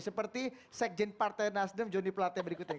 seperti sekjen partai nasdem jonny platte berikutnya